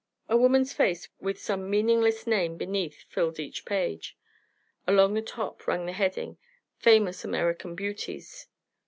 A woman's face with some meaningless name beneath filled each page. Along the top ran the heading, "Famous American Beauties."